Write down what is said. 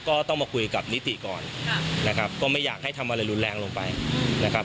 ก็ต้องมาคุยกับนิติก่อนนะครับก็ไม่อยากให้ทำอะไรรุนแรงลงไปนะครับ